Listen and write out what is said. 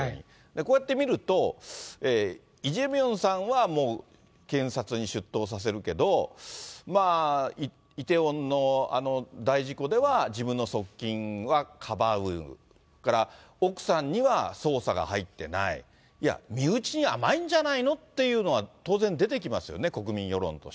こうやって見ると、イ・ジェミョンさんはもう、検察に出頭させるけど、イテウォンのあの大事故では、自分の側近はかばう、それから奥さんには捜査が入ってない、いや、身内に甘いんじゃないの？っていうのは、当然出てきますよね、国